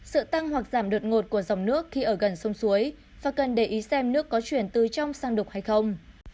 sự tăng hoặc giảm đột ngột của dòng nước khi ở gần sông suối và cần để ý xem nước có chuyển từ trong sang đục hay không